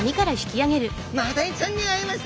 マダイちゃんに会えました！